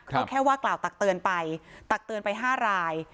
ก็แค่ว่ากล่าวตักเตือนไปตักเตือนไป๕ราย